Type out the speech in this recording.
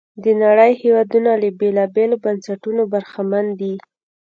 د نړۍ هېوادونه له بېلابېلو بنسټونو برخمن دي.